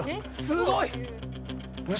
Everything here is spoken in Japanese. すごい！